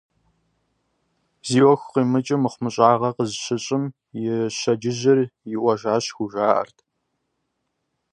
Зи Ӏуэху къимыкӀым, мыхъумыщӀагъэ къызыщыщӀым: «И щэджыжьыр иӀуэжащ», - хужаӀэрт.